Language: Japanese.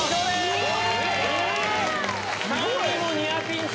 ３位もニアピン賞。